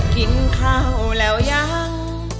กินข้าวแล้วยัง